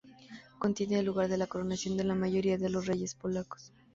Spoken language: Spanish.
Contiene el lugar de la coronación de la mayoría de los reyes polacos.